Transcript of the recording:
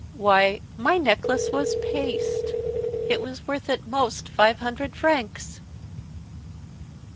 Why, my necklace was paste. It was worth at most five hundred francs!"